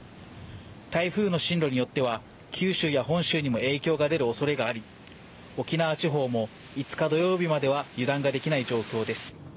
台風の進路によっては九州や本州にも影響が出る恐れがあり沖縄地方も５日、土曜日までは油断ができない状況です。